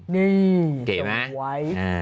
นี่เสร็จไหม